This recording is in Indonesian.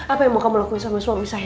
apa yang mau kamu lakuin sama suami saya